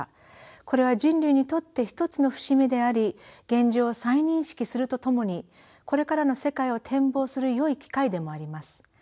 これは人類にとって一つの節目であり現状を再認識するとともにこれからの世界を展望するよい機会でもあります。